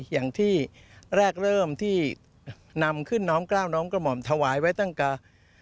อย่างที่แรกเริ่มที่นำขึ้นน้อมกล้าวน้อมกระหม่อมถวายไว้ตั้งแต่